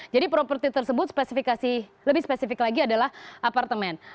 jadi properti tersebut spesifikasi lebih spesifik lagi adalah apartemen